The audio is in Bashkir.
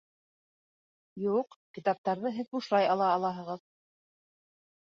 Юҡ, китаптарҙы һеҙ бушлай ала алаһығыҙ